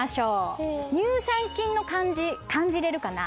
乳酸菌の感じ感じれるかな？